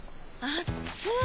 あっつい！